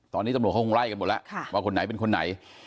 ตอนนี้ตำรวจเขาคงไล่กันหมดแล้วว่าคนไหนเป็นคนไหน